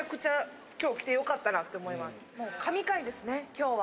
今日は。